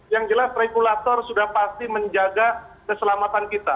yang jelas regulator sudah pasti menjaga keselamatan kita